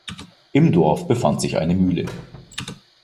Im Dorf befand sich eine Mühle.